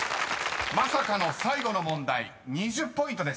［まさかの最後の問題２０ポイントです］